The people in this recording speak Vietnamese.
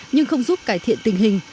nhưng không giúp cải thiện tình hình